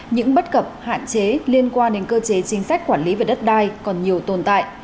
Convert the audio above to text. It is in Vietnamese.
những bất cập hạn chế liên quan đến cơ chế chính sách quản lý về đất đai còn nhiều tồn tại